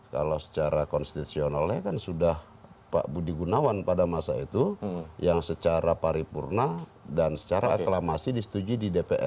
kalau secara konstitusionalnya kan sudah pak budi gunawan pada masa itu yang secara paripurna dan secara aklamasi disetujui di dpr